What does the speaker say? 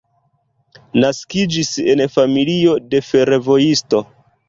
Naskiĝis en familio de fervojisto.